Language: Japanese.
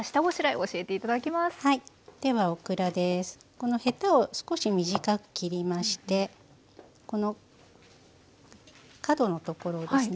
このヘタを少し短く切りましてこの角のところですね。